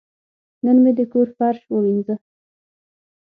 نن مې د کور فرش ووینځه.